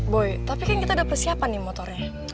boy tapi kan kita udah persiapan nih motornya